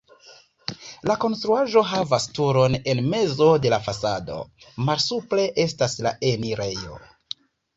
La konstruaĵo havas turon en mezo de la fasado, malsupre estas la enirejo.